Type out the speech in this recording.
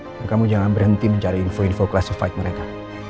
dan kamu jangan berhenti mencari info info classified mereka